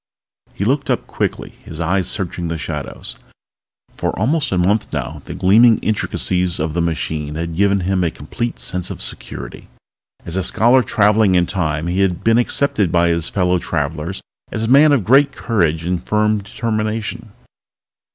He looked up quickly, his eyes searching the shadows. For almost a month now the gleaming intricacies of the machine had given him a complete sense of security. As a scholar traveling in Time he had been accepted by his fellow travelers as a man of great courage and firm determination.